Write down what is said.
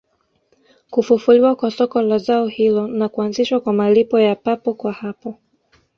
Kufufuliwa kwa soko la zao hilo na kuanzishwa kwa malipo ya papo kwa hapo